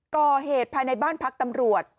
ก่อเหตุภายในบ้านพักตำรวจ